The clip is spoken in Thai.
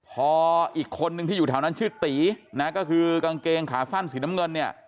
พออีกคนนึงที่อยู่แถวนั้นชื่อตีนะก็คือกางเกงขาสั้นสีน้ำเงินเนี่ย